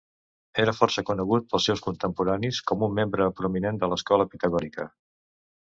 Era força conegut pels seus contemporanis com un membre prominent de l'escola pitagòrica.